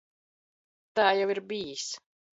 T? jau ir bijis.